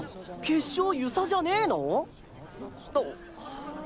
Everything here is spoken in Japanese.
決勝遊佐じゃねの？